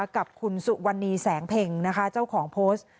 กับคุณสุวรรณีแสงเพ็งนะคะเจ้าของโพสต์